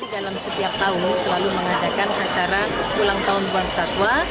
dalam setiap tahun selalu mengadakan acara ulang tahun buang satwa